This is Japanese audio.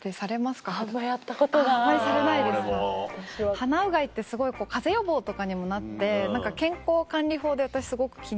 鼻うがいって風邪予防とかにもなって健康管理法で私すごく気に入ってて。